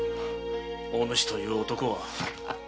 お主という男は。